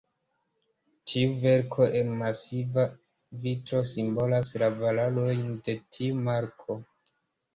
Tiu verko el masiva vitro simbolas la valorojn de tiu marko.